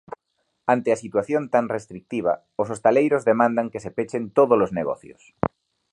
Ante a situación tan restritiva, os hostaleiros demandan que se pechen tódolos negocios.